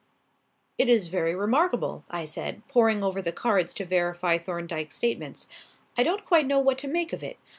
"It is very remarkable," I said, poring over the cards to verify Thorndyke's statements. "I don't quite know what to make of it.